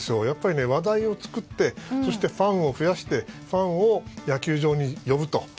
やっぱり話題を作ってそしてファンを増やしてファンを野球場に呼ぶと。